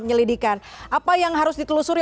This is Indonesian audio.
penyelidikan apa yang harus ditelusuri